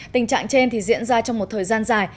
tình trạng trên thì diễn ra trong một thời gian dài